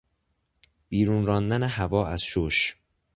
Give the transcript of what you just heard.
بیرون راندن هوا از شش